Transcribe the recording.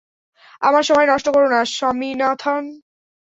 আমার সময় নষ্ট করো না, স্বামীনাথন।